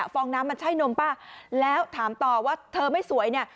ฟองน้ำมันใช่นมป่ะแล้วถามต่อว่าเธอไม่สวยเนี่ย